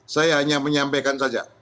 saya hanya menyampaikan saja